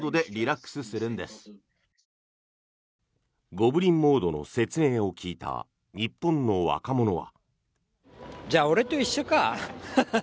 ゴブリン・モードの説明を聞いた日本の若者は。